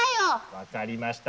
分かりました。